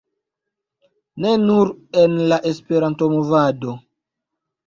... ne nur en la Esperanto-movado